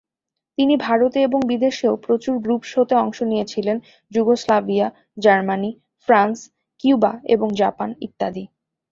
তিনি ভারতে এবং বিদেশেও প্রচুর গ্রুপ শোতে অংশ নিয়েছিলেন: যুগোস্লাভিয়া, জার্মানি, ফ্রান্স, কিউবা এবং জাপান ইত্যাদি।